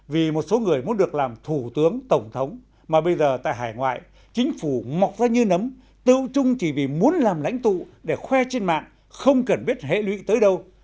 vì một số người muốn được làm thủ tướng tổng thống mà bây giờ tại hải ngoại chính phủ mọc ra như nấm tự trung chỉ vì muốn làm lãnh tụ để khoe trên mạng không cần biết hệ lụy tới đâu